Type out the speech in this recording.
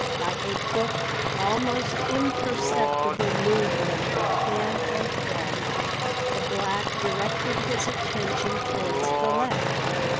By a quick, almost imperceptible movement of hand and head, the black directed his attention towards the left.